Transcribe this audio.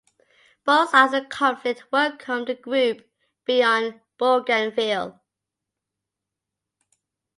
Both sides of the conflict welcomed the group being on Bougainville.